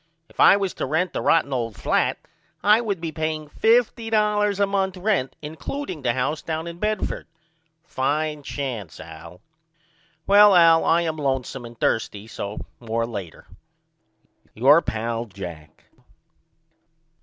If I was to rent the rotten old flat I would be paying $50 a month rent includeing the house down in Bedford. Fine chance Al. Well Al I am lonesome and thirsty so more later. Your pal, JACK.